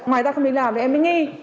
ngoài ra không đến làm thì em mới nghi